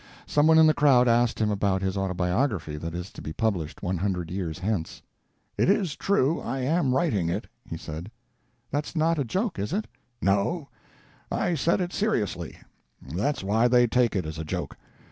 Some one in the crowd asked him about his autobiography that is to be published 100 years hence. "It is true I am writing it," he said. "That's not a joke, is it?" "No; I said it seriously; that's why they take it as a joke.